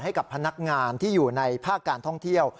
ให้กับพนักงานที่อยู่ในภาคการท่องเที่ยว